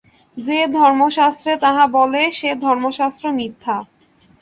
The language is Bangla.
যে ধর্মশাস্ত্রে তাহা বলে, সে ধর্মশাস্ত্র মিথ্যা।